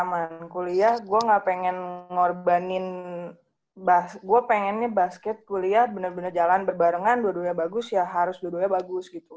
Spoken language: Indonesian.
aman kuliah gua ga pengen ngorbanin gua pengennya basket kuliah bener bener jalan berbarengan dua duanya bagus ya harus dua duanya bagus gitu